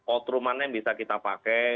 outroomannya bisa kita pakai